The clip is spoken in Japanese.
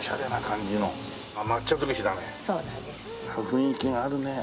雰囲気があるねえ。